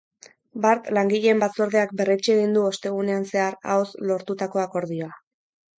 Bart langileen batzordeak berretsi egin du ostegunean zehar ahoz lortutako akordioa.